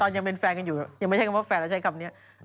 ตอนยังเป็นแฟนกันอยู่ไม่ใช่ว่าแฟนล่ะใช่คำนี้